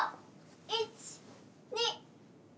１・２。